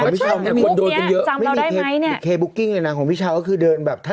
ถ้ามีใครบุ๊กกิ้งหน้าของพี่เช้า